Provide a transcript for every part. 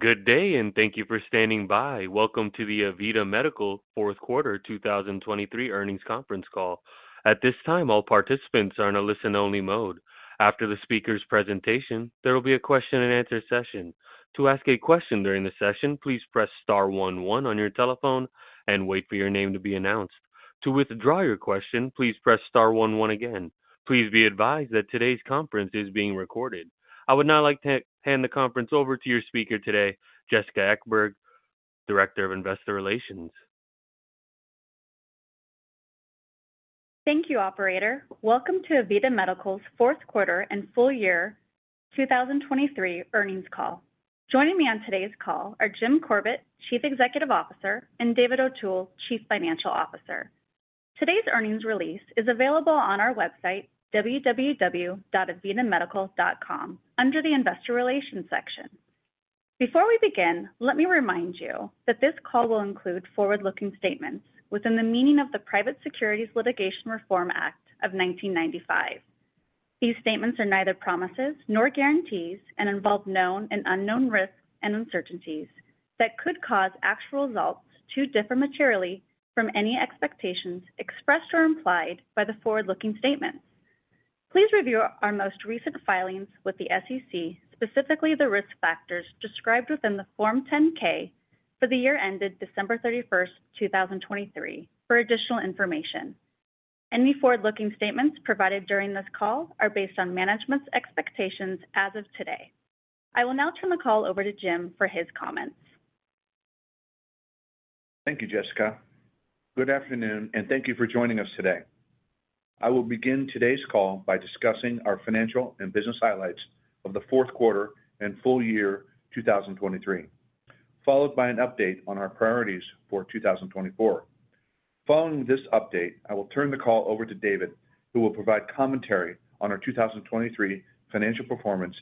Good day and thank you for standing by. Welcome to the AVITA Medical Fourth Quarter 2023 Earnings Conference Call. At this time, all participants are in a listen-only mode. After the speaker's presentation, there will be a question-and-answer session. To ask a question during the session, please press star one one on your telephone and wait for your name to be announced. To withdraw your question, please press star one one again. Please be advised that today's conference is being recorded. I would now like to hand the conference over to your speaker today, Jessica Ekeberg, Director of Investor Relations. Thank you, operator. Welcome to AVITA Medical's Fourth Quarter and Full-Year 2023 Earnings Call. Joining me on today's call are Jim Corbett, Chief Executive Officer, and David O'Toole, Chief Financial Officer. Today's earnings release is available on our website, www.avitamedical.com, under the Investor Relations section. Before we begin, let me remind you that this call will include forward-looking statements within the meaning of the Private Securities Litigation Reform Act of 1995. These statements are neither promises nor guarantees and involve known and unknown risks and uncertainties that could cause actual results to differ materially from any expectations expressed or implied by the forward-looking statements. Please review our most recent filings with the SEC, specifically the risk factors described within the Form 10-K for the year ended December 31st, 2023, for additional information. Any forward-looking statements provided during this call are based on management's expectations as of today. I will now turn the call over to Jim for his comments. Thank you, Jessica. Good afternoon and thank you for joining us today. I will begin today's call by discussing our financial and business highlights of the Fourth Quarter and Full-Year 2023, followed by an update on our priorities for 2024. Following this update, I will turn the call over to David, who will provide commentary on our 2023 financial performance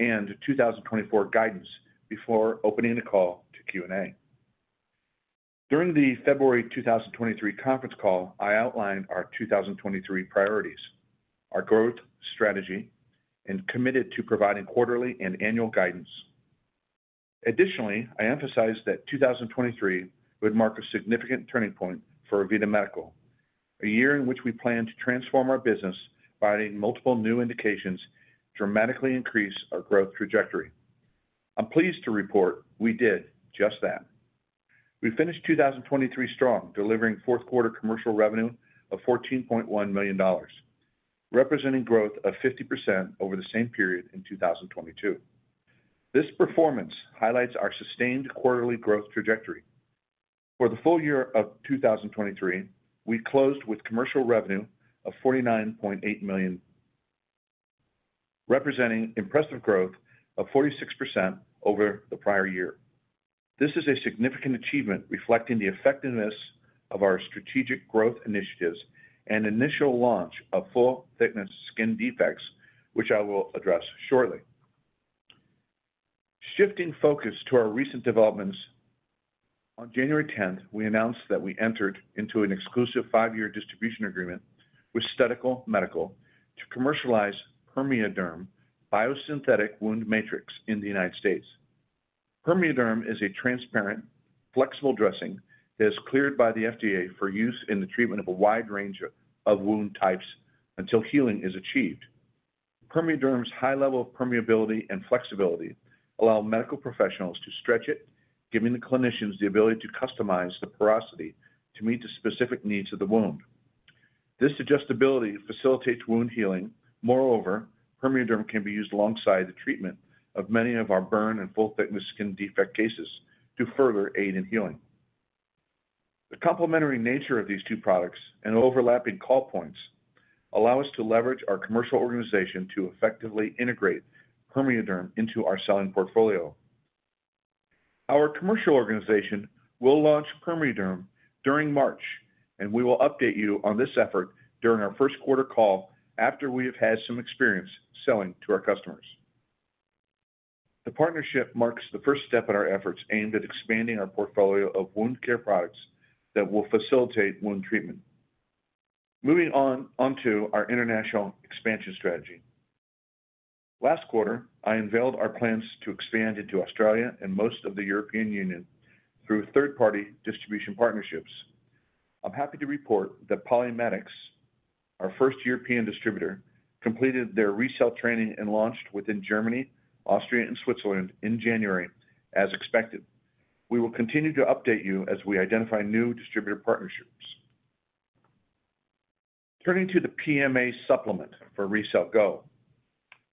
and 2024 guidance before opening the call to Q&A. During the February 2023 conference call, I outlined our 2023 priorities, our growth strategy, and committed to providing quarterly and annual guidance. Additionally, I emphasized that 2023 would mark a significant turning point for AVITA Medical, a year in which we plan to transform our business by letting multiple new indications dramatically increase our growth trajectory. I'm pleased to report we did just that. We finished 2023 strong, delivering fourth quarter commercial revenue of $14.1 million, representing growth of 50% over the same period in 2022. This performance highlights our sustained quarterly growth trajectory. For the full year of 2023, we closed with commercial revenue of $49.8 million, representing impressive growth of 46% over the prior year. This is a significant achievement reflecting the effectiveness of our strategic growth initiatives and initial launch of full-thickness skin defects, which I will address shortly. Shifting focus to our recent developments, on January 10th, we announced that we entered into an exclusive five-year distribution agreement with Stedical Scientific to commercialize PermeaDerm Biosynthetic Wound Matrix in the United States. PermeaDerm is a transparent, flexible dressing that is cleared by the FDA for use in the treatment of a wide range of wound types until healing is achieved. PermeaDerm's high level of permeability and flexibility allow medical professionals to stretch it, giving the clinicians the ability to customize the porosity to meet the specific needs of the wound. This adjustability facilitates wound healing. Moreover, PermeaDerm can be used alongside the treatment of many of our burn and full-thickness skin defect cases to further aid in healing. The complementary nature of these two products and overlapping call points allow us to leverage our commercial organization to effectively integrate PermeaDerm into our selling portfolio. Our commercial organization will launch PermeaDerm during March, and we will update you on this effort during our first quarter call after we have had some experience selling to our customers. The partnership marks the first step in our efforts aimed at expanding our portfolio of wound care products that will facilitate wound treatment. Moving onto our international expansion strategy, last quarter, I unveiled our plans to expand into Australia and most of the European Union through third-party distribution partnerships. I'm happy to report that PolyMedics, our first European distributor, completed their RECELL training and launched within Germany, Austria, and Switzerland in January, as expected. We will continue to update you as we identify new distributor partnerships. Turning to the PMA supplement for RECELL GO,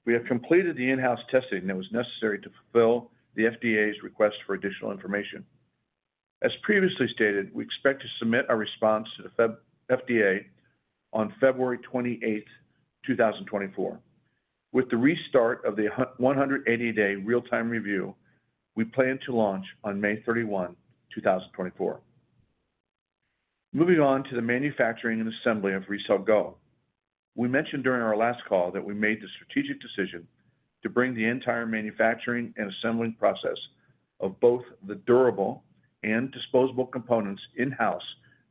we have completed the in-house testing that was necessary to fulfill the FDA's request for additional information. As previously stated, we expect to submit our response to the FDA on February 28, 2024. With the restart of the 180-day real-time review, we plan to launch on May 31, 2024. Moving on to the manufacturing and assembly of RECELL GO, we mentioned during our last call that we made the strategic decision to bring the entire manufacturing and assembling process of both the durable and disposable components in-house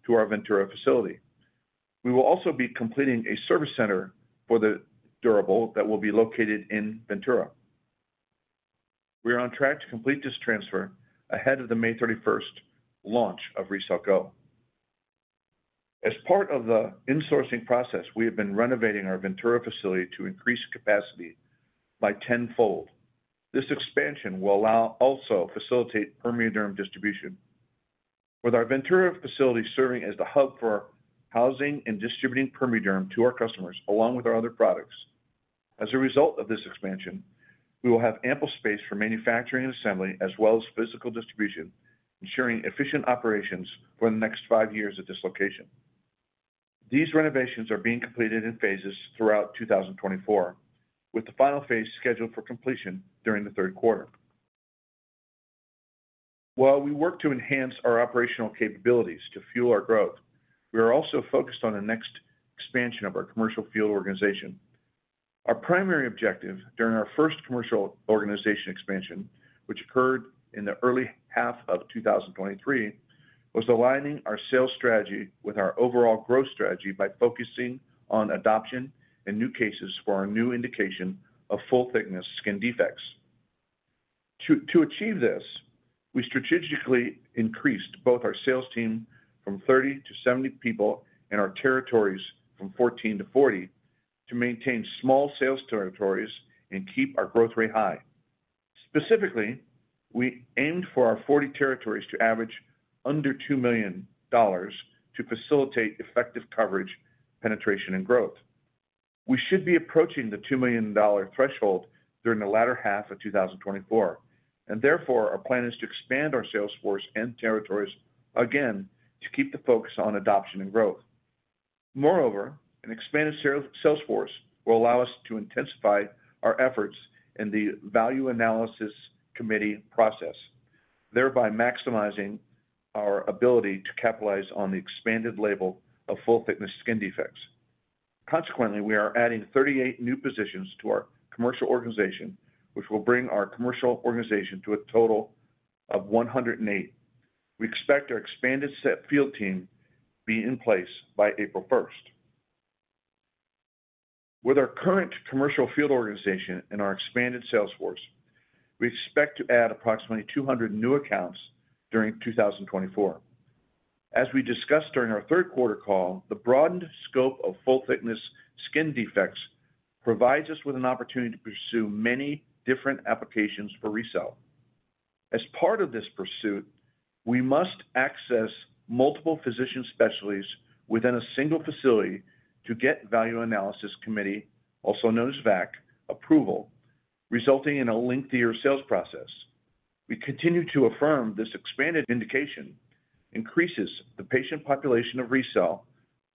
to our Ventura facility. We will also be completing a service center for the durable that will be located in Ventura. We are on track to complete this transfer ahead of the May 31st launch of RECELL GO. As part of the insourcing process, we have been renovating our Ventura facility to increase capacity by tenfold. This expansion will also facilitate PermeaDerm distribution, with our Ventura facility serving as the hub for housing and distributing PermeaDerm to our customers, along with our other products. As a result of this expansion, we will have ample space for manufacturing and assembly, as well as physical distribution, ensuring efficient operations for the next five years of dislocation. These renovations are being completed in phases throughout 2024, with the final phase scheduled for completion during the third quarter. While we work to enhance our operational capabilities to fuel our growth, we are also focused on the next expansion of our commercial field organization. Our primary objective during our first commercial organization expansion, which occurred in the early half of 2023, was aligning our sales strategy with our overall growth strategy by focusing on adoption and new cases for our new indication of full-thickness skin defects. To achieve this, we strategically increased both our sales team from 30-70 people and our territories from 14-40 to maintain small sales territories and keep our growth rate high. Specifically, we aimed for our 40 territories to average under $2 million to facilitate effective coverage, penetration, and growth. We should be approaching the $2 million threshold during the latter half of 2024, and therefore our plan is to expand our sales force and territories again to keep the focus on adoption and growth. Moreover, an expanded sales force will allow us to intensify our efforts in the value analysis committee process, thereby maximizing our ability to capitalize on the expanded label of full-thickness skin defects. Consequently, we are adding 38 new positions to our commercial organization, which will bring our commercial organization to a total of 108. We expect our expanded field team to be in place by April 1st. With our current commercial field organization and our expanded sales force, we expect to add approximately 200 new accounts during 2024. As we discussed during our third quarter call, the broadened scope of full-thickness skin defects provides us with an opportunity to pursue many different applications for RECELL. As part of this pursuit, we must access multiple physician specialists within a single facility to get value analysis committee, also known as VAC, approval, resulting in a lengthier sales process. We continue to affirm this expanded indication increases the patient population of RECELL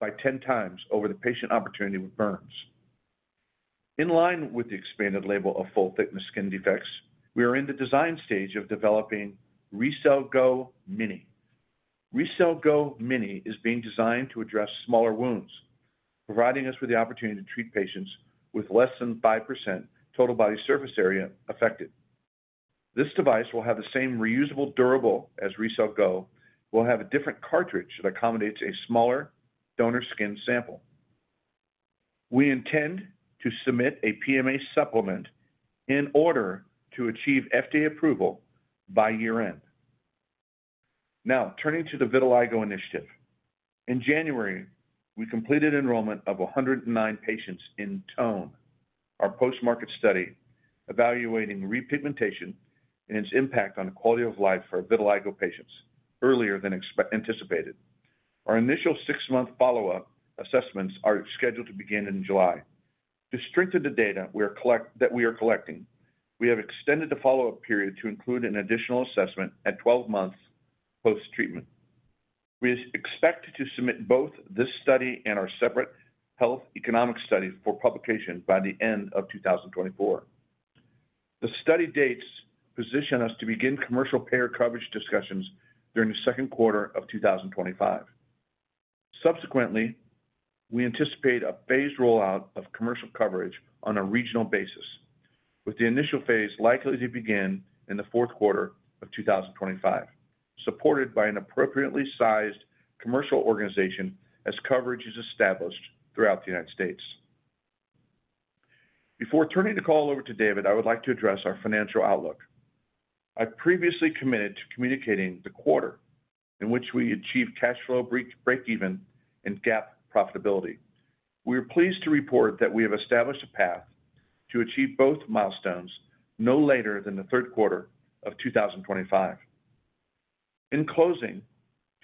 by ten times over the patient opportunity with burns. In line with the expanded label of full-thickness skin defects, we are in the design stage of developing RECELL GO mini. RECELL GO mini is being designed to address smaller wounds, providing us with the opportunity to treat patients with less than five percent total body surface area affected. This device will have the same reusable durable as RECELL GO, but will have a different cartridge that accommodates a smaller donor skin sample. We intend to submit a PMA supplement in order to achieve FDA approval by year-end. Now, turning to the vitiligo initiative. In January, we completed enrollment of 109 patients in TONE, our post-market study evaluating repigmentation and its impact on quality of life for vitiligo patients earlier than anticipated. Our initial six-month follow-up assessments are scheduled to begin in July. To strengthen the data that we are collecting, we have extended the follow-up period to include an additional assessment at 12 months post-treatment. We expect to submit both this study and our separate health economic study for publication by the end of 2024. The study dates position us to begin commercial payer coverage discussions during the second quarter of 2025. Subsequently, we anticipate a phased rollout of commercial coverage on a regional basis, with the initial phase likely to begin in the fourth quarter of 2025, supported by an appropriately sized commercial organization as coverage is established throughout the United States. Before turning the call over to David, I would like to address our financial outlook. I previously committed to communicating the quarter in which we achieved cash flow break-even and GAAP profitability. We are pleased to report that we have established a path to achieve both milestones no later than the third quarter of 2025. In closing,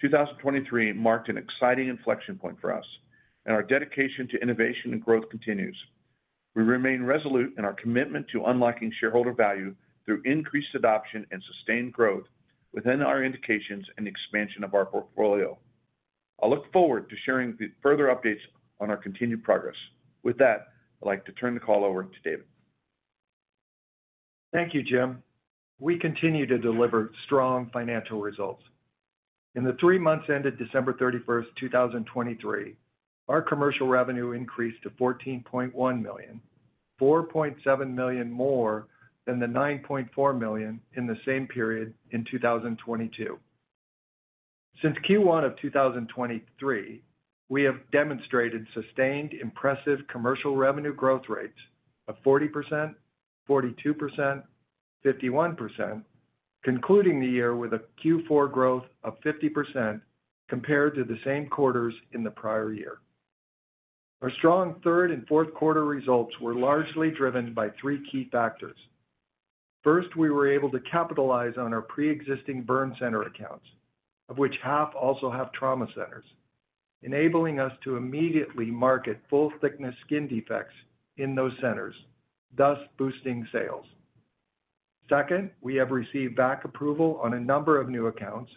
2023 marked an exciting inflection point for us, and our dedication to innovation and growth continues. We remain resolute in our commitment to unlocking shareholder value through increased adoption and sustained growth within our indications and the expansion of our portfolio. I look forward to sharing further updates on our continued progress. With that, I'd like to turn the call over to David. Thank you, Jim. We continue to deliver strong financial results. In the three months ended December 31st, 2023, our commercial revenue increased to $14.1 million, $4.7 million more than the $9.4 million in the same period in 2022. Since Q1 of 2023, we have demonstrated sustained impressive commercial revenue growth rates of 40%, 42%, 51%, concluding the year with a Q4 growth of 50% compared to the same quarters in the prior year. Our strong third and fourth quarter results were largely driven by three key factors. First, we were able to capitalize on our pre-existing burn center accounts, of which half also have trauma centers, enabling us to immediately market full-thickness skin defects in those centers, thus boosting sales. Second, we have received VAC approval on a number of new accounts.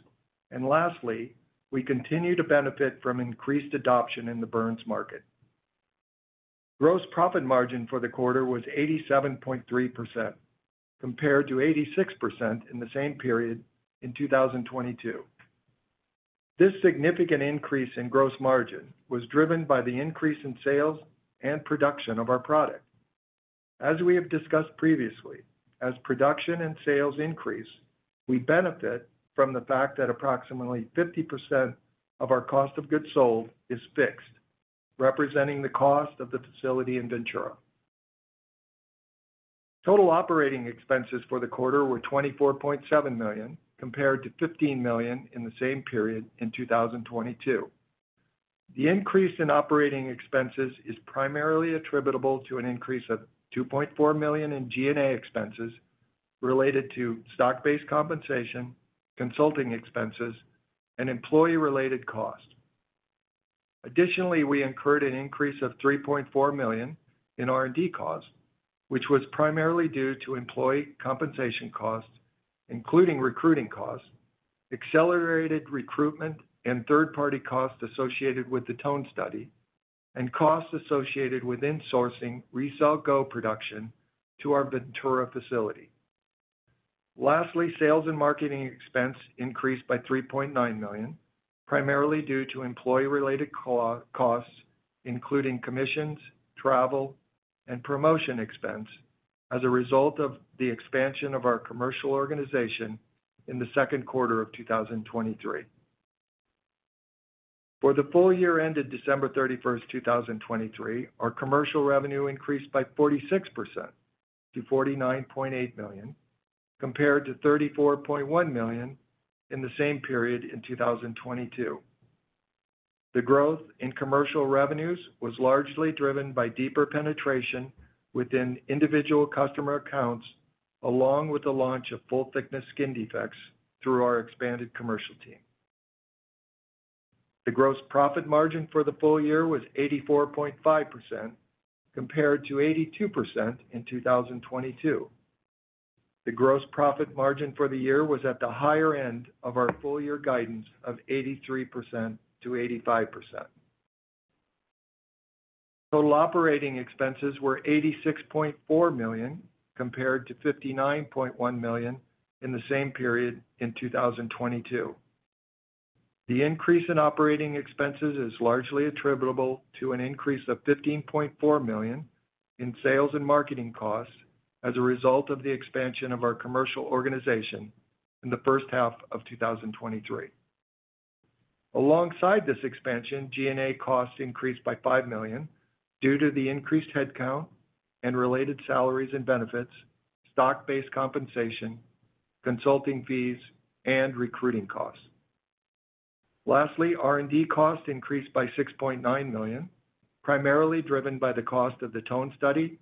And lastly, we continue to benefit from increased adoption in the burns market. Gross profit margin for the quarter was 87.3% compared to 86% in the same period in 2022. This significant increase in gross margin was driven by the increase in sales and production of our product. As we have discussed previously, as production and sales increase, we benefit from the fact that approximately 50% of our cost of goods sold is fixed, representing the cost of the facility in Ventura. Total operating expenses for the quarter were $24.7 million compared to $15 million in the same period in 2022. The increase in operating expenses is primarily attributable to an increase of $2.4 million in G&A expenses related to stock-based compensation, consulting expenses, and employee-related costs. Additionally, we incurred an increase of $3.4 million in R&D costs, which was primarily due to employee compensation costs, including recruiting costs, accelerated recruitment, and third-party costs associated with the TONE study, and costs associated with insourcing RECELL GO production to our Ventura facility. Lastly, sales and marketing expense increased by $3.9 million, primarily due to employee-related costs, including commissions, travel, and promotion expense, as a result of the expansion of our commercial organization in the second quarter of 2023. For the full year ended December 31st, 2023, our commercial revenue increased by 46% to $49.8 million compared to $34.1 million in the same period in 2022. The growth in commercial revenues was largely driven by deeper penetration within individual customer accounts, along with the launch of full-thickness skin defects through our expanded commercial team. The gross profit margin for the full year was 84.5% compared to 82% in 2022. The gross profit margin for the year was at the higher end of our full-year guidance of 83%-85%. Total operating expenses were $86.4 million compared to $59.1 million in the same period in 2022. The increase in operating expenses is largely attributable to an increase of $15.4 million in sales and marketing costs as a result of the expansion of our commercial organization in the first half of 2023. Alongside this expansion, G&A costs increased by $5 million due to the increased headcount and related salaries and benefits, stock-based compensation, consulting fees, and recruiting costs. Lastly, R&D costs increased by $6.9 million, primarily driven by the cost of the TONE study,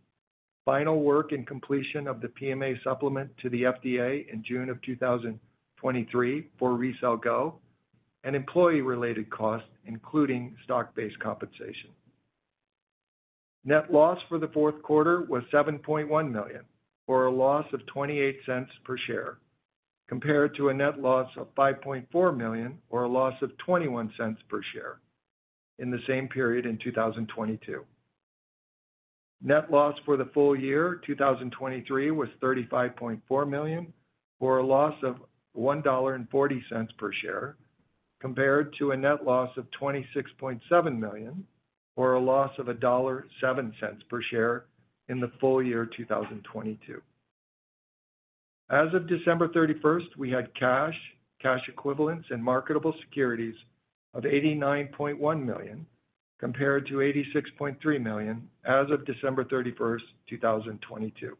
final work and completion of the PMA supplement to the FDA in June of 2023 for RECELL GO, and employee-related costs, including stock-based compensation. Net loss for the fourth quarter was $7.1 million, or a loss of $0.28 per share, compared to a net loss of $5.4 million, or a loss of $0.21 per share in the same period in 2022. Net loss for the full year 2023 was $35.4 million, or a loss of $1.40 per share, compared to a net loss of $26.7 million, or a loss of $1.07 per share in the full year 2022. As of December 31st, we had cash, cash equivalents, and marketable securities of $89.1 million compared to $86.3 million as of December 31st, 2022.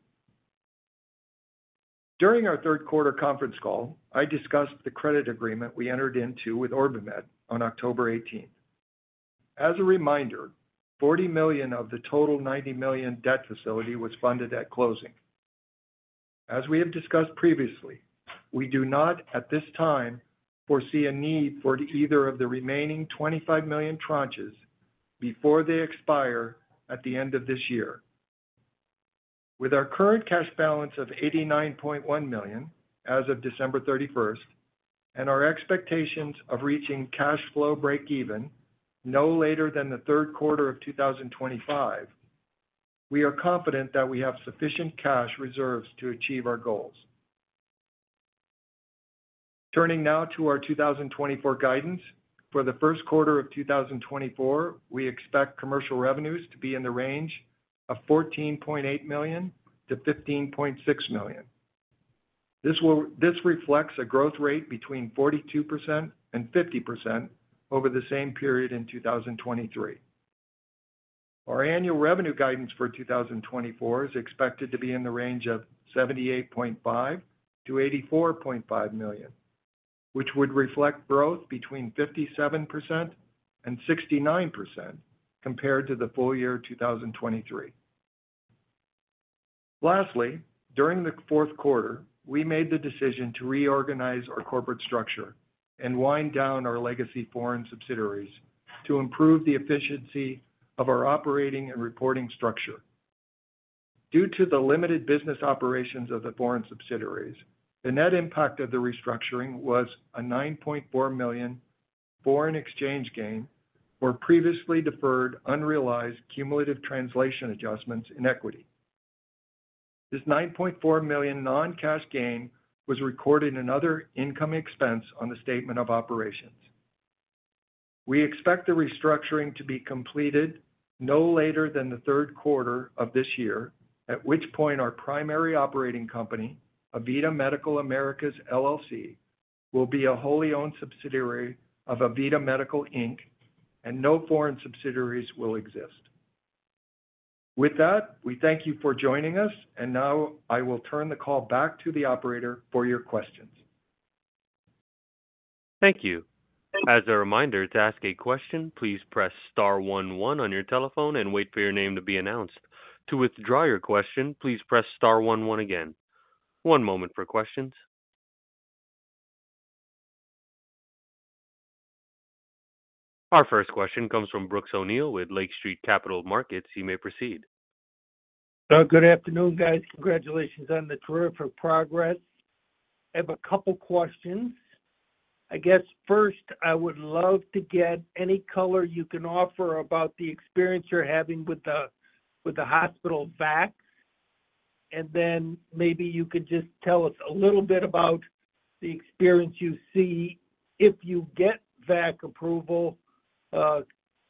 During our third quarter conference call, I discussed the credit agreement we entered into with OrbiMed on October 18. As a reminder, $40 million of the total $90 million debt facility was funded at closing. As we have discussed previously, we do not, at this time, foresee a need for either of the remaining $25 million tranches before they expire at the end of this year. With our current cash balance of $89.1 million as of December 31st and our expectations of reaching cash flow break-even no later than the third quarter of 2025, we are confident that we have sufficient cash reserves to achieve our goals. Turning now to our 2024 guidance, for the first quarter of 2024, we expect commercial revenues to be in the range of $14.8 million-$15.6 million. This reflects a growth rate between 42%-50% over the same period in 2023. Our annual revenue guidance for 2024 is expected to be in the range of $78.5 million-$84.5 million, which would reflect growth between 57%-69% compared to the full year 2023. Lastly, during the fourth quarter, we made the decision to reorganize our corporate structure and wind down our legacy foreign subsidiaries to improve the efficiency of our operating and reporting structure. Due to the limited business operations of the foreign subsidiaries, the net impact of the restructuring was a $9.4 million foreign exchange gain or previously deferred unrealized cumulative translation adjustments in equity. This $9.4 million non-cash gain was recorded in other income expense on the statement of operations. We expect the restructuring to be completed no later than the third quarter of this year, at which point our primary operating company, AVITA Medical Americas LLC, will be a wholly owned subsidiary of AVITA Medical Inc., and no foreign subsidiaries will exist. With that, we thank you for joining us. And now I will turn the call back to the operator for your questions. Thank you. As a reminder, to ask a question, please press star one one on your telephone and wait for your name to be announced. To withdraw your question, please press star one one again. One moment for questions. Our first question comes from Brooks O'Neil with Lake Street Capital Markets. You may proceed. Good afternoon, guys. Congratulations on the terrific progress. I have a couple of questions. I guess first, I would love to get any color you can offer about the experience you're having with the hospital VACs. And then maybe you could just tell us a little bit about the experience you see if you get VAC approval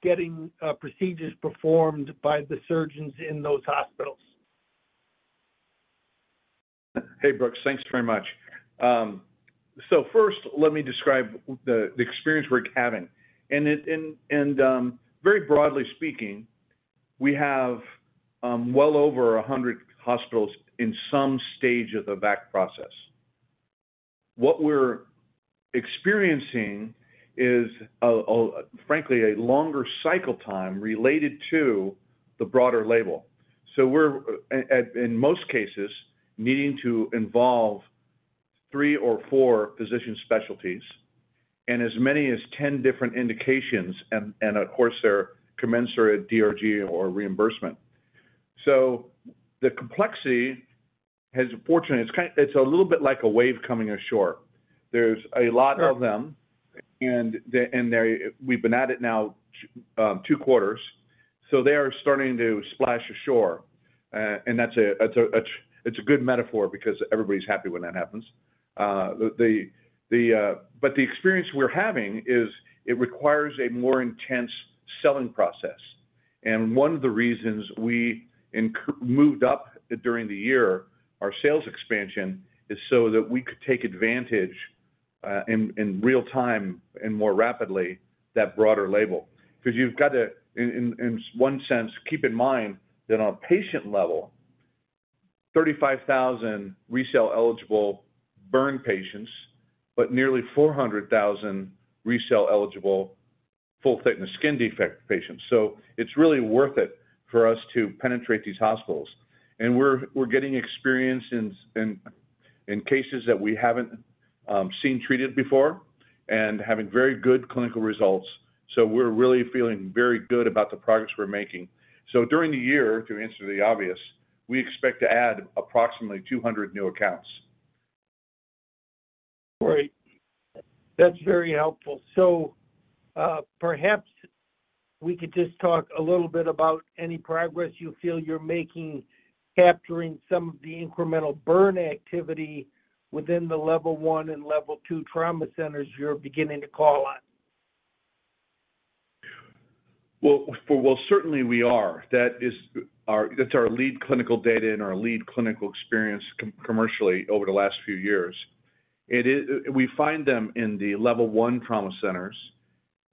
getting procedures performed by the surgeons in those hospitals? Hey, Brooks. Thanks very much. So first, let me describe the experience we're having. And very broadly speaking, we have well over 100 hospitals in some stage of the VAC process. What we're experiencing is, frankly, a longer cycle time related to the broader label. So we're, in most cases, needing to involve three or four physician specialties and as many as 10 different indications. And of course, there commensurate DRG or reimbursement. So the complexity has, fortunately, it's a little bit like a wave coming ashore. There's a lot of them. And we've been at it now two quarters. So they are starting to splash ashore. And that's a good metaphor because everybody's happy when that happens. But the experience we're having is it requires a more intense selling process. One of the reasons we moved up during the year, our sales expansion, is so that we could take advantage in real time and more rapidly that broader label. Because you've got to, in one sense, keep in mind that on a patient level, 35,000 RECELL-eligible burn patients, but nearly 400,000 RECELL-eligible full-thickness skin defect patients. So it's really worth it for us to penetrate these hospitals. And we're getting experience in cases that we haven't seen treated before and having very good clinical results. So we're really feeling very good about the progress we're making. So during the year, to answer the obvious, we expect to add approximately 200 new accounts. Great. That's very helpful. So perhaps we could just talk a little bit about any progress you feel you're making capturing some of the incremental burn activity within the level one and level two trauma centers you're beginning to call on? Well, certainly, we are. That's our lead clinical data and our lead clinical experience commercially over the last few years. We find them in the level one trauma centers.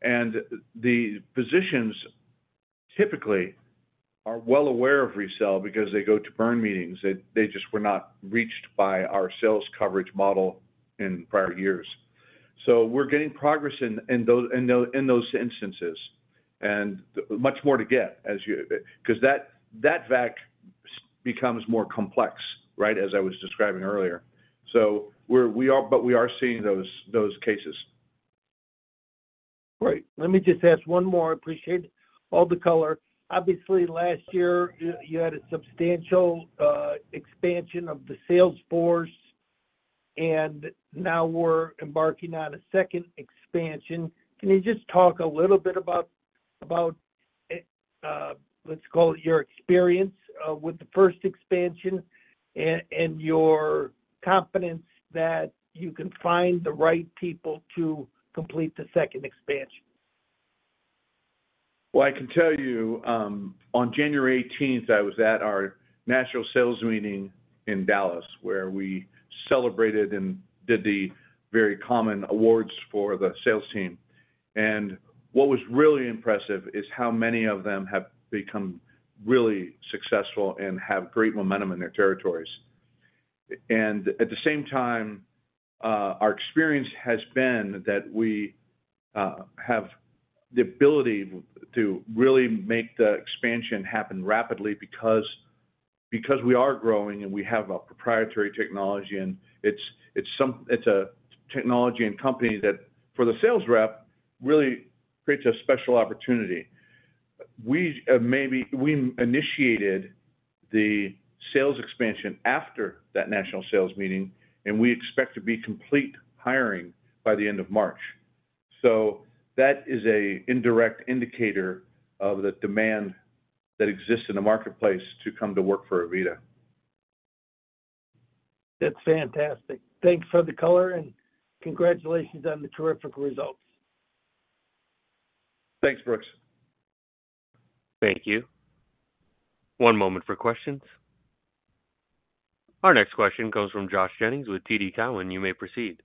The physicians typically are well aware of RECELL because they go to burn meetings. They just were not reached by our sales coverage model in prior years. So we're getting progress in those instances and much more to get because that VAC becomes more complex, right, as I was describing earlier. We are seeing those cases. Great. Let me just ask one more. I appreciate all the color. Obviously, last year, you had a substantial expansion of the sales force. And now we're embarking on a second expansion. Can you just talk a little bit about, let's call it, your experience with the first expansion and your confidence that you can find the right people to complete the second expansion? Well, I can tell you, on January 18th, I was at our national sales meeting in Dallas where we celebrated and did the very common awards for the sales team. What was really impressive is how many of them have become really successful and have great momentum in their territories. At the same time, our experience has been that we have the ability to really make the expansion happen rapidly because we are growing and we have a proprietary technology. It's a technology and company that, for the sales rep, really creates a special opportunity. We initiated the sales expansion after that national sales meeting. We expect to be complete hiring by the end of March. So that is an indirect indicator of the demand that exists in the marketplace to come to work for AVITA. That's fantastic. Thanks for the color. Congratulations on the terrific results. Thanks, Brooks. Thank you. One moment for questions. Our next question comes from Josh Jennings with TD Cowen. You may proceed.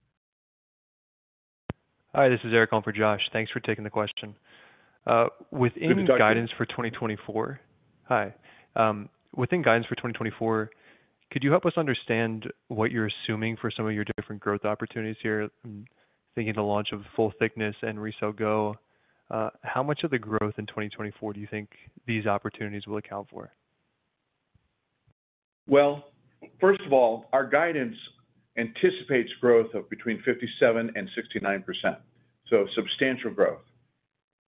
Hi. This is Eric on for Josh. Thanks for taking the question. Within guidance for 2024, could you help us understand what you're assuming for some of your different growth opportunities here? I'm thinking the launch of full-thickness and RECELL GO. How much of the growth in 2024 do you think these opportunities will account for? Well, first of all, our guidance anticipates growth of between 57% and 69%, so substantial growth.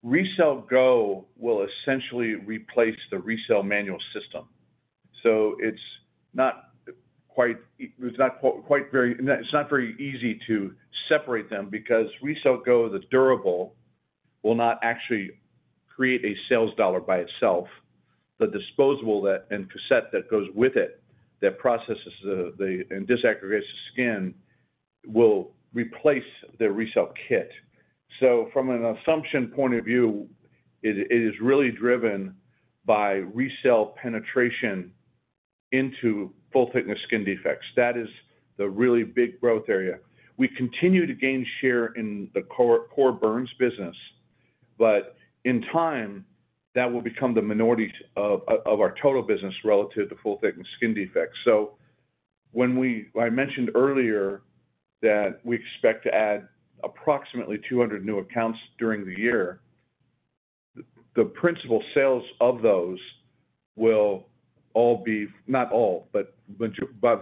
RECELL GO will essentially replace the RECELL manual system. So it's not very easy to separate them because RECELL GO, the durable, will not actually create a sales dollar by itself. The disposable and cassette that goes with it that processes and disaggregates the skin will replace the RECELL kit. So from an assumption point of view, it is really driven by RECELL penetration into full-thickness skin defects. That is the really big growth area. We continue to gain share in the core burns business. But in time, that will become the minority of our total business relative to full-thickness skin defects. So I mentioned earlier that we expect to add approximately 200 new accounts during the year. The principal sales of those will all be not all, but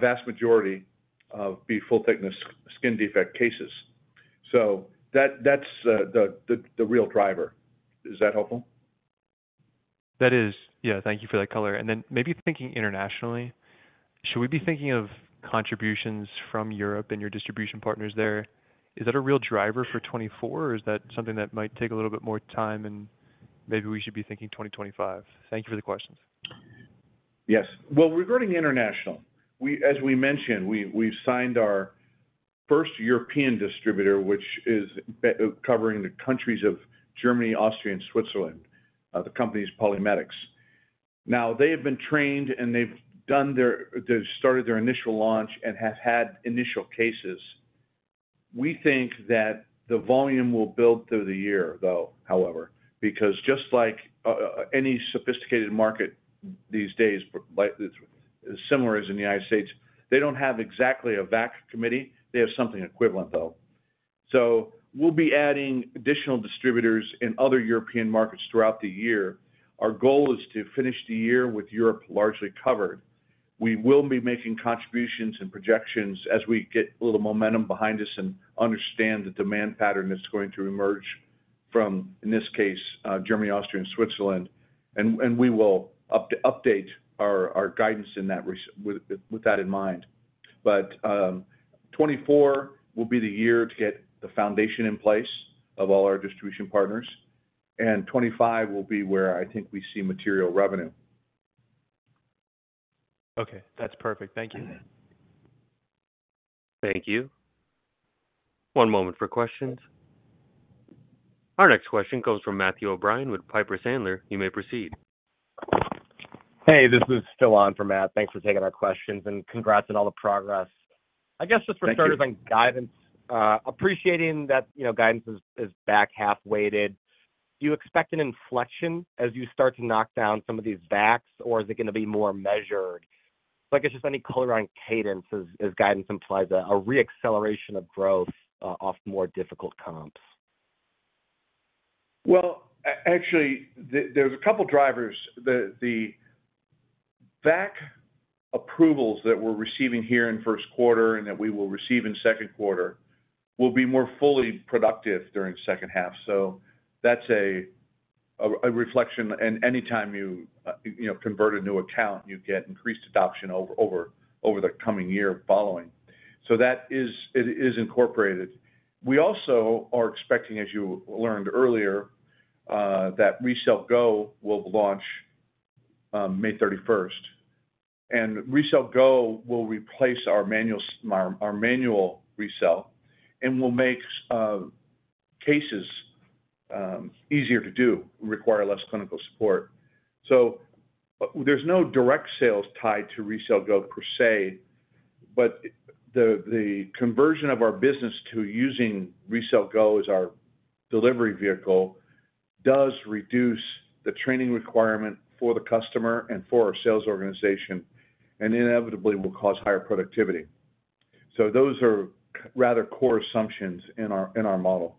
vast majority of full-thickness skin defect cases. So that's the real driver. Is that helpful? That is. Yeah. Thank you for that color. And then maybe thinking internationally, should we be thinking of contributions from Europe and your distribution partners there? Is that a real driver for 2024, or is that something that might take a little bit more time, and maybe we should be thinking 2025? Thank you for the questions. Yes. Well, regarding international, as we mentioned, we've signed our first European distributor, which is covering the countries of Germany, Austria, and Switzerland. The company's PolyMedics. Now, they have been trained, and they've started their initial launch and have had initial cases. We think that the volume will build through the year, though, however, because just like any sophisticated market these days, similar as in the United States, they don't have exactly a VAC committee. They have something equivalent, though. So we'll be adding additional distributors in other European markets throughout the year. Our goal is to finish the year with Europe largely covered. We will be making contributions and projections as we get a little momentum behind us and understand the demand pattern that's going to emerge from, in this case, Germany, Austria, and Switzerland. And we will update our guidance with that in mind. But 2024 will be the year to get the foundation in place of all our distribution partners. And 2025 will be where I think we see material revenue. Okay. That's perfect. Thank you. Thank you. One moment for questions. Our next question comes from Matthew O'Brien with Piper Sandler. You may proceed. Hey. This is Phil from Matt. Thanks for taking our questions and congrats on all the progress. I guess just for starters on guidance, appreciating that guidance is back half-weighted. Do you expect an inflection as you start to knock down some of these VACs, or is it going to be more measured? I guess just any color on cadence, as guidance implies, a reacceleration of growth off more difficult comps. Well, actually, there's a couple of drivers. The VAC approvals that we're receiving here in first quarter and that we will receive in second quarter will be more fully productive during second half. So that's a reflection. And anytime you convert a new account, you get increased adoption over the coming year following. So that is incorporated. We also are expecting, as you learned earlier, that RECELL GO will launch May 31st. And RECELL GO will replace our manual RECELL and will make cases easier to do, require less clinical support. So there's no direct sales tied to RECELL GO per se. But the conversion of our business to using RECELL GO as our delivery vehicle does reduce the training requirement for the customer and for our sales organization and inevitably will cause higher productivity. So those are rather core assumptions in our model.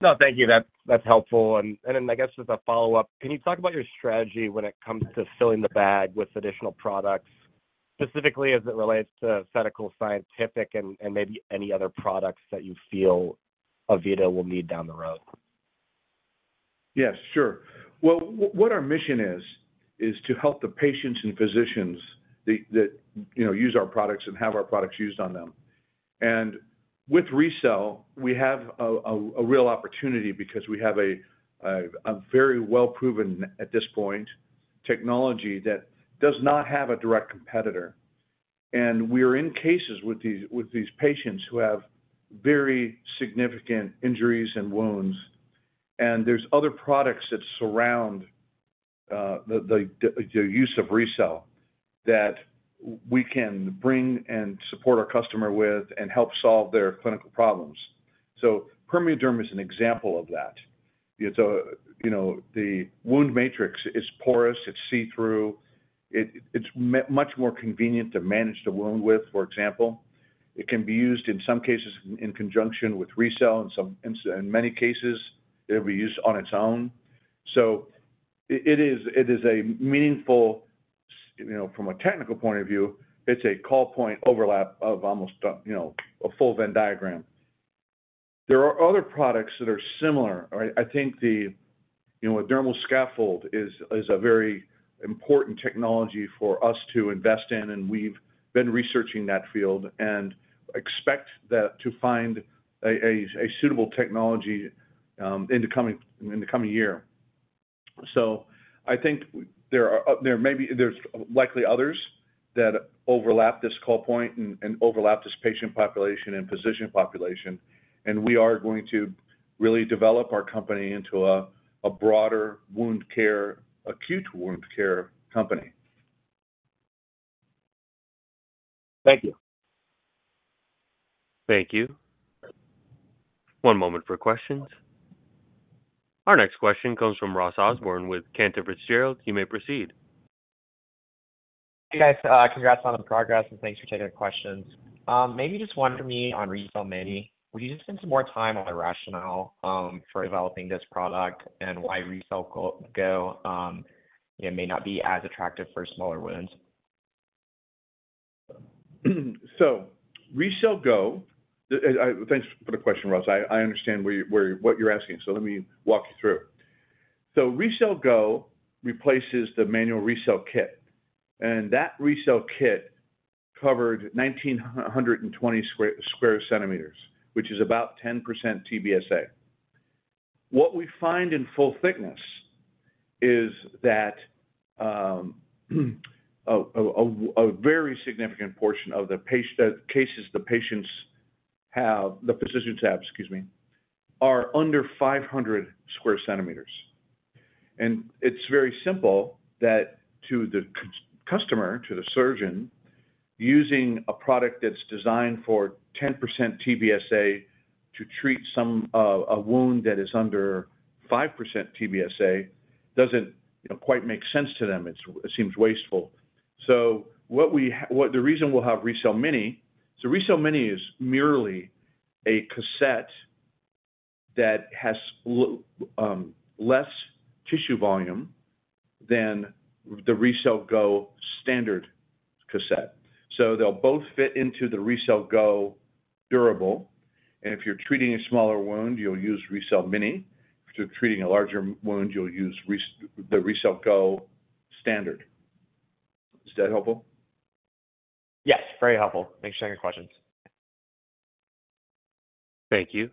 No. Thank you. That's helpful. And then I guess just a follow-up, can you talk about your strategy when it comes to filling the bag with additional products, specifically as it relates to Stedical Scientific and maybe any other products that you feel AVITA will need down the road? Yes. Sure. Well, what our mission is, is to help the patients and physicians that use our products and have our products used on them. And with RECELL, we have a real opportunity because we have a very well-proven at this point technology that does not have a direct competitor. And we are in cases with these patients who have very significant injuries and wounds. And there's other products that surround the use of RECELL that we can bring and support our customer with and help solve their clinical problems. So PermeaDerm is an example of that. The wound matrix is porous. It's see-through. It's much more convenient to manage the wound with, for example. It can be used in some cases in conjunction with RECELL. In many cases, it'll be used on its own. So it is a meaningful from a technical point of view, it's a call point overlap of almost a full Venn diagram. There are other products that are similar. I think the dermal scaffold is a very important technology for us to invest in. We've been researching that field and expect to find a suitable technology in the coming year. So I think there's likely others that overlap this call point and overlap this patient population and physician population. We are going to really develop our company into a broader acute wound care company. Thank you. Thank you. One moment for questions. Our next question comes from Ross Osborn with Cantor Fitzgerald. You may proceed. Hey, guys. Congrats on the progress, and thanks for taking the questions. Maybe just one for me on RECELL GO mini. Would you just spend some more time on the rationale for developing this product and why RECELL GO may not be as attractive for smaller wounds? RECELL GO, thanks for the question, Ross. I understand what you're asking. Let me walk you through. RECELL GO replaces the manual RECELL kit. That RECELL kit covered 1,920 square centimeters, which is about 10% TBSA. What we find in full-thickness is that a very significant portion of the cases the patients have the physicians have, excuse me, are under 500 square centimeters. It's very simple that to the customer, to the surgeon, using a product that's designed for 10% TBSA to treat a wound that is under five percent TBSA doesn't quite make sense to them. It seems wasteful. The reason we'll have RECELL GO mini, so RECELL GO Mini is merely a cassette that has less tissue volume than the RECELL GO standard cassette. They'll both fit into the RECELL GO durable. If you're treating a smaller wound, you'll use RECELL GO mini. If you're treating a larger wound, you'll use the RECELL GO standard. Is that helpful? Yes. Very helpful. Thanks for taking the questions. Thank you.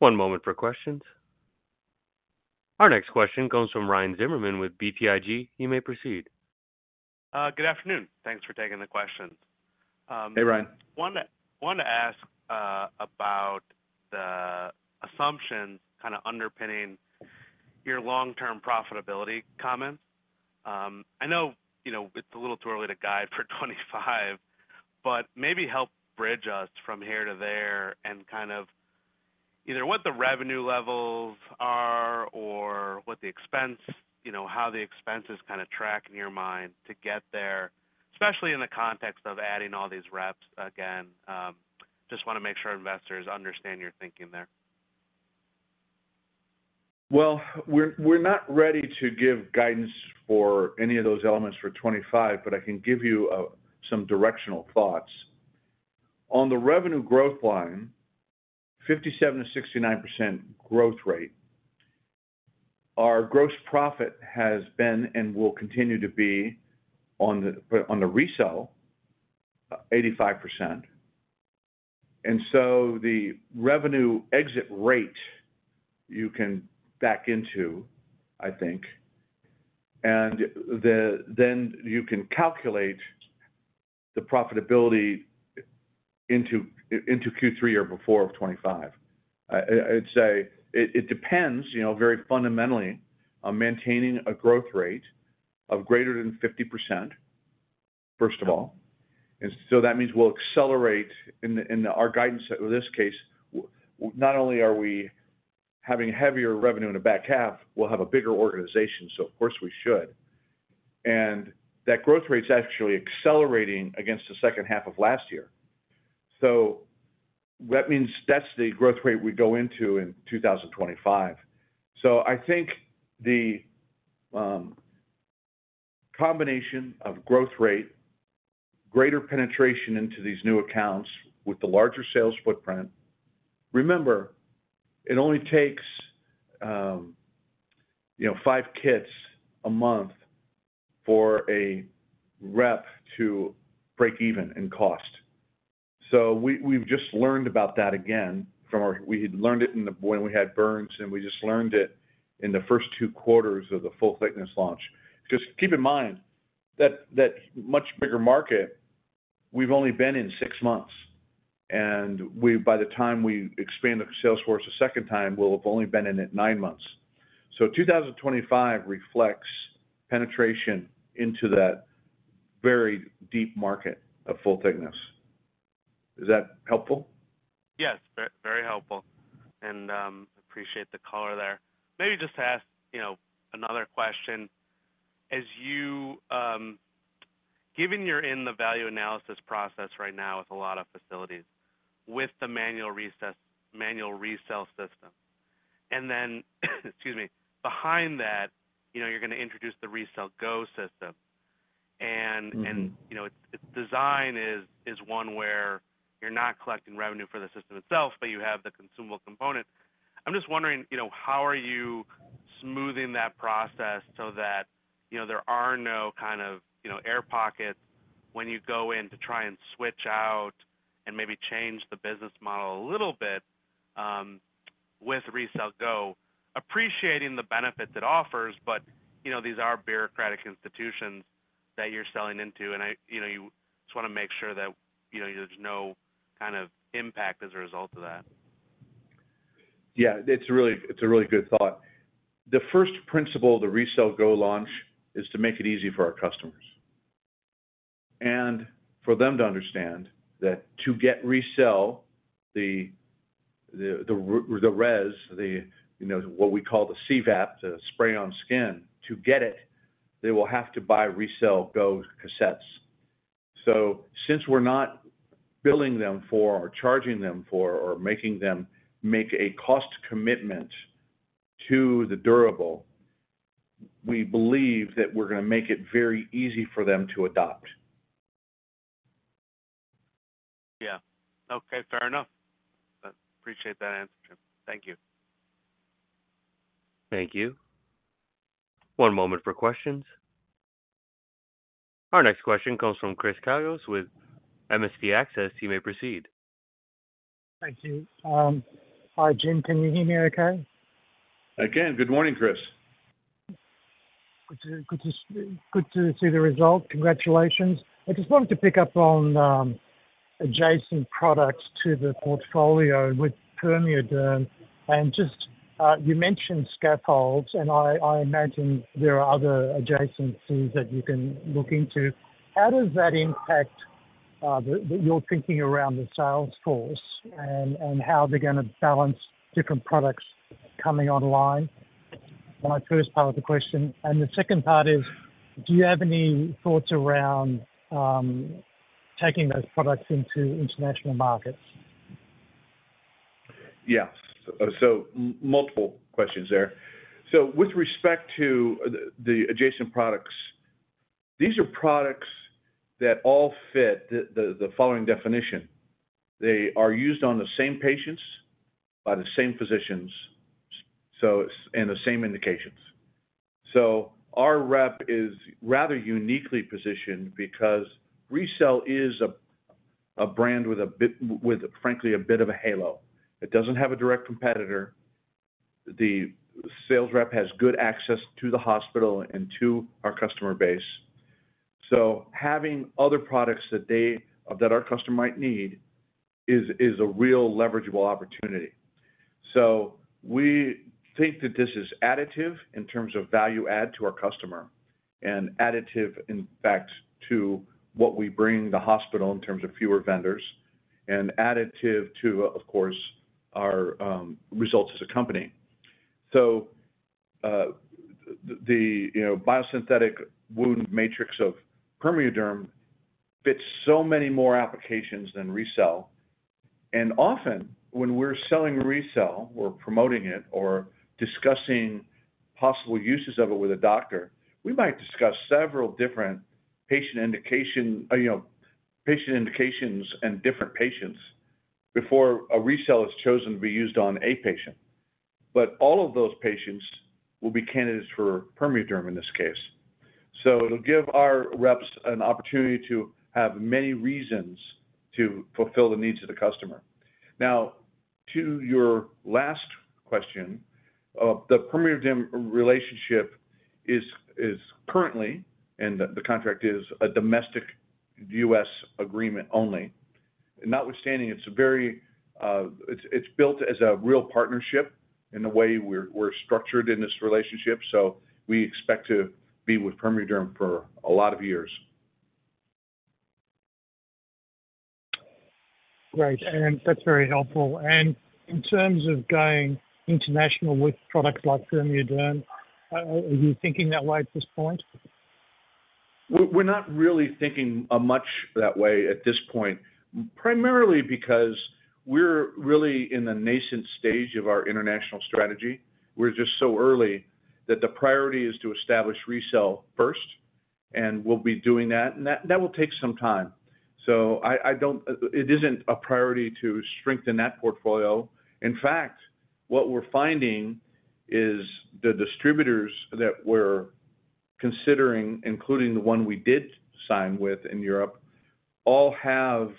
One moment for questions. Our next question comes from Ryan Zimmerman with BTIG. You may proceed. Good afternoon. Thanks for taking the questions. Hey, Ryan. I wanted to ask about the assumptions kind of underpinning your long-term profitability comments. I know it's a little too early to guide for 2025, but maybe help bridge us from here to there and kind of either what the revenue levels are or what the expense how the expenses kind of track in your mind to get there, especially in the context of adding all these reps. Again, just want to make sure investors understand your thinking there. Well, we're not ready to give guidance for any of those elements for 2025, but I can give you some directional thoughts. On the revenue growth line, 57%-69% growth rate. Our gross profit has been and will continue to be on the resale, 85%. And so the revenue exit rate you can back into, I think, and then you can calculate the profitability into Q3 or before of 2025. I'd say it depends very fundamentally on maintaining a growth rate of greater than 50%, first of all. And so that means we'll accelerate in our guidance. In this case, not only are we having heavier revenue in the back half, we'll have a bigger organization. So, of course, we should. And that growth rate's actually accelerating against the second half of last year. So that means that's the growth rate we go into in 2025. So I think the combination of growth rate, greater penetration into these new accounts with the larger sales footprint, remember, it only takes five kits a month for a rep to break even in cost. So we've just learned about that again, we had learned it when we had burns, and we just learned it in the first two quarters of the full-thickness launch. Just keep in mind that much bigger market, we've only been in six months. And by the time we expand the sales force a second time, we'll have only been in it nine months. So 2025 reflects penetration into that very deep market of full-thickness. Is that helpful? Yes. Very helpful. And appreciate the color there. Maybe just to ask another question. Given you're in the value analysis process right now with a lot of facilities with the manual RECELL System and then excuse me, behind that, you're going to introduce the RECELL GO system. And its design is one where you're not collecting revenue for the system itself, but you have the consumable component. I'm just wondering, how are you smoothing that process so that there are no kind of air pockets when you go in to try and switch out and maybe change the business model a little bit with RECELL GO, appreciating the benefits it offers, but these are bureaucratic institutions that you're selling into. And you just want to make sure that there's no kind of impact as a result of that. Yeah. It's a really good thought. The first principle of the RECELL GO launch is to make it easy for our customers and for them to understand that to get RECELL, the RES, what we call the CVAP, the spray-on skin, to get it, they will have to buy RECELL GO cassettes. So since we're not billing them for or charging them for or making them make a cost commitment to the durable, we believe that we're going to make it very easy for them to adopt. Yeah. Okay. Fair enough. Appreciate that answer, Jim. Thank you. Thank you. One moment for questions. Our next question comes from Chris Kallos with MST Access. You may proceed. Thank you. Hi, Jim. Can you hear me okay? I can. Good morning, Chris. Good to see the result. Congratulations. I just wanted to pick up on adjacent products to the portfolio with PermeaDerm. And you mentioned scaffolds, and I imagine there are other adjacencies that you can look into. How does that impact your thinking around the sales force and how they're going to balance different products coming online? That's my first part of the question. And the second part is, do you have any thoughts around taking those products into international markets? Yes. Multiple questions there. With respect to the adjacent products, these are products that all fit the following definition. They are used on the same patients by the same physicians and the same indications. Our rep is rather uniquely positioned because RECELL is a brand with, frankly, a bit of a halo. It doesn't have a direct competitor. The sales rep has good access to the hospital and to our customer base. Having other products that our customer might need is a real leverageable opportunity. We think that this is additive in terms of value add to our customer and additive, in fact, to what we bring the hospital in terms of fewer vendors and additive to, of course, our results as a company. The biosynthetic wound matrix of PermeaDerm fits so many more applications than RECELL. Often, when we're selling RECELL or promoting it or discussing possible uses of it with a doctor, we might discuss several different patient indications and different patients before a RECELL is chosen to be used on a patient. All of those patients will be candidates for PermeaDerm in this case. It'll give our reps an opportunity to have many reasons to fulfill the needs of the customer. Now, to your last question, the PermeaDerm relationship is currently and the contract is a domestic U.S. agreement only, notwithstanding it's built as a real partnership in the way we're structured in this relationship. We expect to be with PermeaDerm for a lot of years. Right. And that's very helpful. And in terms of going international with products like PermeaDerm, are you thinking that way at this point? We're not really thinking much that way at this point, primarily because we're really in the nascent stage of our international strategy. We're just so early that the priority is to establish RECELL first, and we'll be doing that. And that will take some time. So it isn't a priority to strengthen that portfolio. In fact, what we're finding is the distributors that we're considering, including the one we did sign with in Europe, all have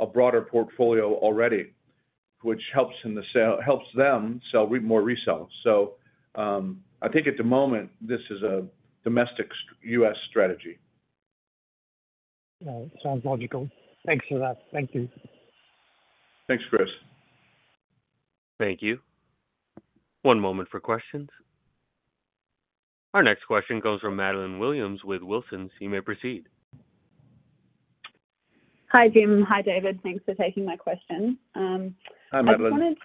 a broader portfolio already, which helps them sell more RECELL. So I think at this moment, this is a domestic U.S. strategy. Yeah. It sounds logical. Thanks for that. Thank you. Thanks, Chris. Thank you. One moment for questions. Our next question comes from Madeleine Williams with Wilsons. You may proceed. Hi, Jim. Hi, David. Thanks for taking my question. Hi, Madeleine. I just wanted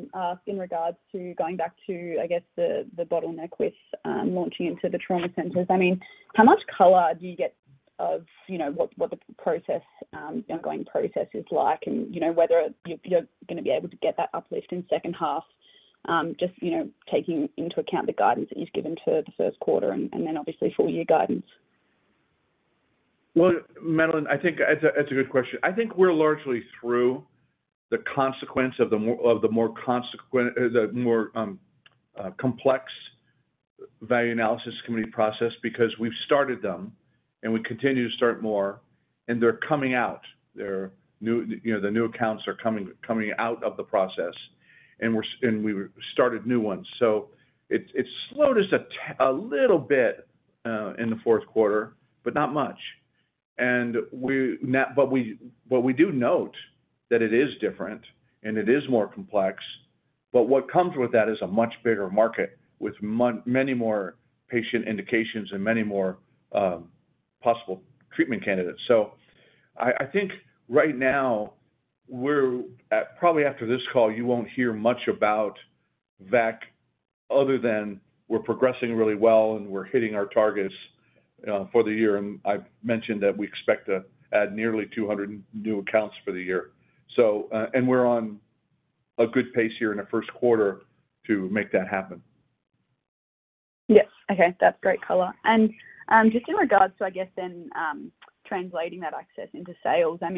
to ask in regards to going back to, I guess, the bottleneck with launching into the trauma centers. I mean, how much color do you get of what the ongoing process is like and whether you're going to be able to get that uplift in second half, just taking into account the guidance that you've given for the first quarter and then, obviously, full-year guidance? Well, Madeline, I think that's a good question. I think we're largely through the consequence of the more complex value analysis committee process because we've started them, and we continue to start more. And they're coming out. The new accounts are coming out of the process, and we started new ones. So it slowed us a little bit in the fourth quarter, but not much. But we do note that it is different, and it is more complex. But what comes with that is a much bigger market with many more patient indications and many more possible treatment candidates. So I think right now, probably after this call, you won't hear much about VAC other than we're progressing really well, and we're hitting our targets for the year. And I've mentioned that we expect to add nearly 200 new accounts for the year. We're on a good pace here in the first quarter to make that happen. Yes. Okay. That's great color. And just in regards to, I guess, then translating that access into sales, I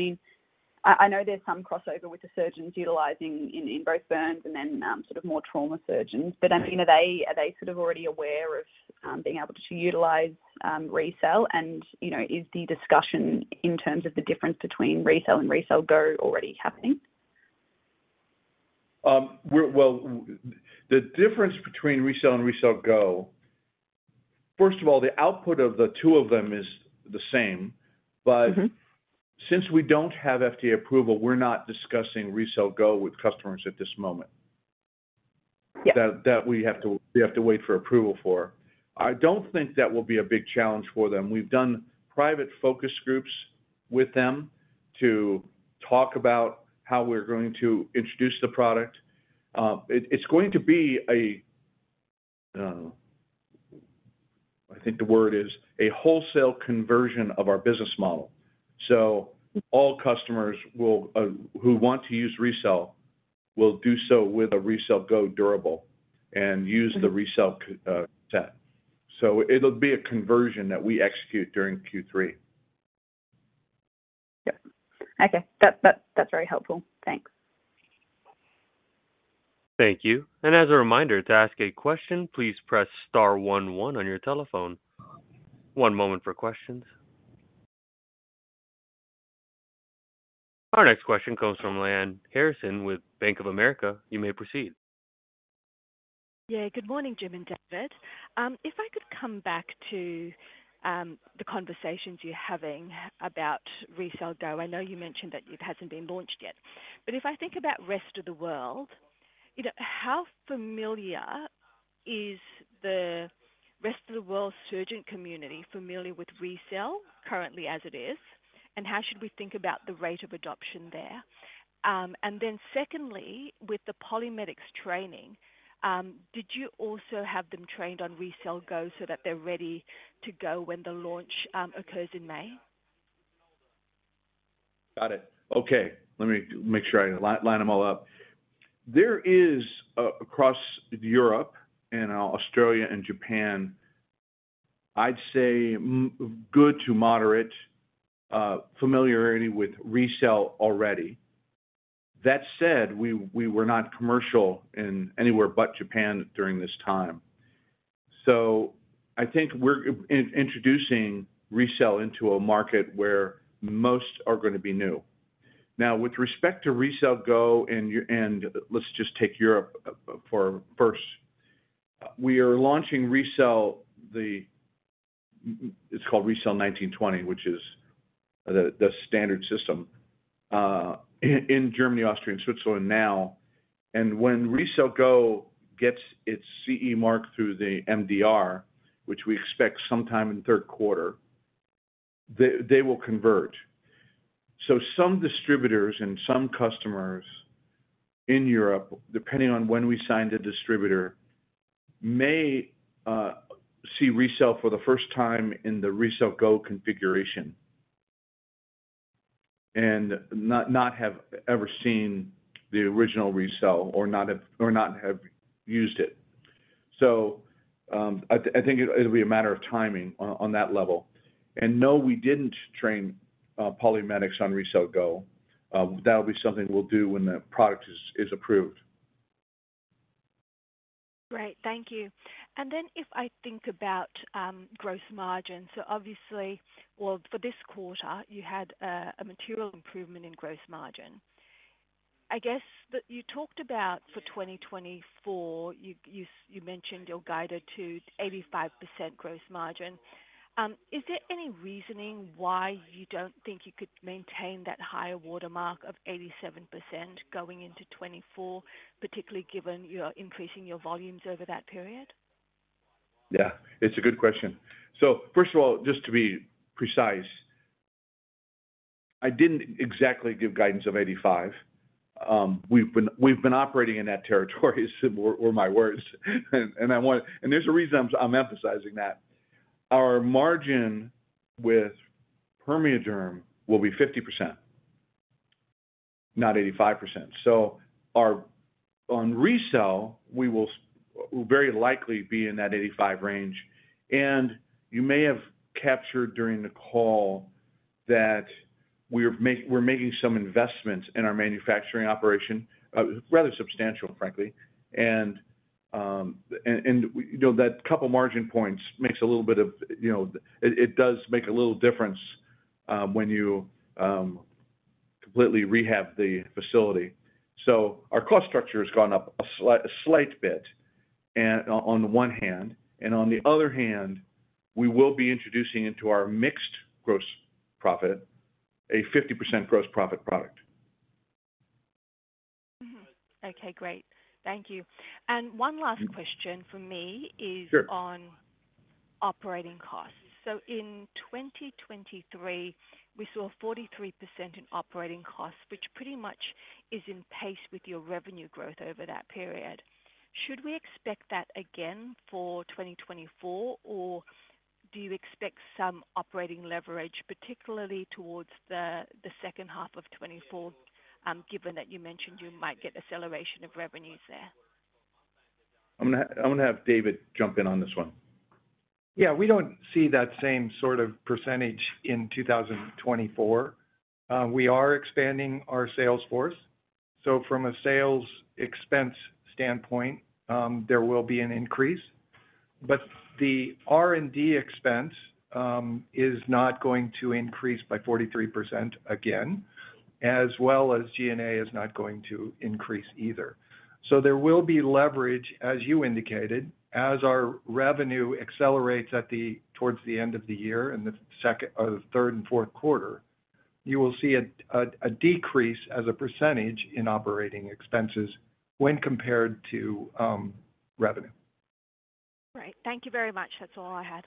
mean, I know there's some crossover with the surgeons utilizing in both burns and then sort of more trauma surgeons. But I mean, are they sort of already aware of being able to utilize RECELL? And is the discussion in terms of the difference between RECELL and RECELL GO already happening? Well, the difference between RECELL and RECELL GO first of all, the output of the two of them is the same. But since we don't have FDA approval, we're not discussing RECELL GO with customers at this moment that we have to wait for approval for. I don't think that will be a big challenge for them. We've done private focus groups with them to talk about how we're going to introduce the product. It's going to be a I think the word is a wholesale conversion of our business model. So all customers who want to use RECELL will do so with a RECELL GO durable and use the RECELL cassette. So it'll be a conversion that we execute during Q3. Yep. Okay. That's very helpful. Thanks. Thank you. As a reminder, to ask a question, please press star one one on your telephone. One moment for questions. Our next question comes from Lyanne Harrison with Bank of America. You may proceed. Yeah. Good morning, Jim and David. If I could come back to the conversations you're having about RECELL GO, I know you mentioned that it hasn't been launched yet. But if I think about the rest of the world, how familiar is the rest of the world surgeon community familiar with RECELL currently as it is? And how should we think about the rate of adoption there? And then secondly, with the PolyMedics training, did you also have them trained on RECELL GO so that they're ready to go when the launch occurs in May? Got it. Okay. Let me make sure I line them all up. There is across Europe and Australia and Japan, I'd say good to moderate familiarity with RECELL already. That said, we were not commercial anywhere but Japan during this time. So I think we're introducing RECELL into a market where most are going to be new. Now, with respect to RECELL GO and let's just take Europe first. We are launching RECELL, it's called RECELL 1920, which is the standard system in Germany, Austria, and Switzerland now. And when RECELL GO gets its CE Mark through the MDR, which we expect sometime in third quarter, they will convert. So some distributors and some customers in Europe, depending on when we signed a distributor, may see RECELL for the first time in the RECELL GO configuration and not have ever seen the original RECELL or not have used it. So I think it'll be a matter of timing on that level. And no, we didn't train PolyMedics on RECELL GO. That'll be something we'll do when the product is approved. Right. Thank you. And then if I think about gross margin so obviously, well, for this quarter, you had a material improvement in gross margin. I guess that you talked about for 2024, you mentioned you're guided to 85% gross margin. Is there any reasoning why you don't think you could maintain that higher watermark of 87% going into 2024, particularly given you're increasing your volumes over that period? Yeah. It's a good question. So first of all, just to be precise, I didn't exactly give guidance of 85%. We've been operating in that territory were my words. And there's a reason I'm emphasizing that. Our margin with PermeaDerm will be 50%, not 85%. So on resale, we will very likely be in that 85% range. And you may have captured during the call that we're making some investments in our manufacturing operation, rather substantial, frankly. And that couple margin points makes a little bit of it does make a little difference when you completely rehab the facility. So our cost structure has gone up a slight bit on the one hand. And on the other hand, we will be introducing into our mixed gross profit a 50% gross profit product. Okay. Great. Thank you. And one last question from me is on operating costs. So in 2023, we saw 43% in operating costs, which pretty much is in pace with your revenue growth over that period. Should we expect that again for 2024, or do you expect some operating leverage, particularly towards the second half of 2024, given that you mentioned you might get acceleration of revenues there? I'm going to have David jump in on this one. Yeah. We don't see that same sort of percentage in 2024. We are expanding our sales force. So from a sales expense standpoint, there will be an increase. But the R&D expense is not going to increase by 43% again, as well as G&A is not going to increase either. So there will be leverage, as you indicated, as our revenue accelerates towards the end of the year in the third and fourth quarter, you will see a decrease as a percentage in operating expenses when compared to revenue. Right. Thank you very much. That's all I had.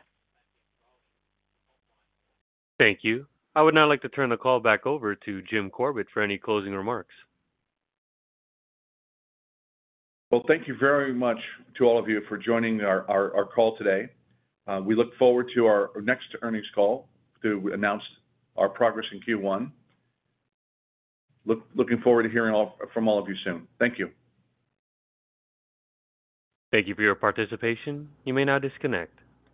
Thank you. I would now like to turn the call back over to Jim Corbett for any closing remarks. Well, thank you very much to all of you for joining our call today. We look forward to our next earnings call to announce our progress in Q1. Looking forward to hearing from all of you soon. Thank you. Thank you for your participation. You may now disconnect.